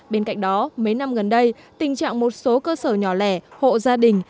bên cạnh đó mấy năm gần đây tình trạng một số cơ sở nhỏ lẻ hộ gia đình